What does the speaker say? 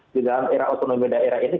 di dalam era otonomi daerah ini